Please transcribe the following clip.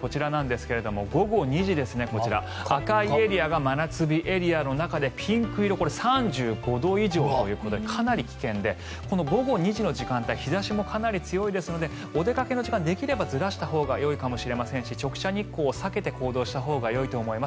こちら、午後２時赤いエリアが真夏日エリアの中でピンク色３５度以上ということでかなり危険で午後２時の時間帯日差しもかなり強いですのでお出かけの時間できればずらしたほうがよいかもしれませんし直射日光を避けて行動したほうがよいと思います。